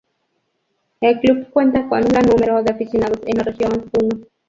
El club cuenta con un gran número de aficionados en la Región Puno.